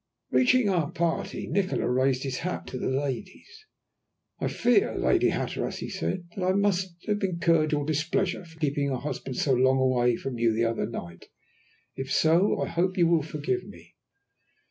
Reaching our party, Nikola raised his hat to the ladies. "I fear, Lady Hatteras," he said, "that I must have incurred your displeasure for keeping your husband so long away from you the other night. If so, I hope you will forgive me."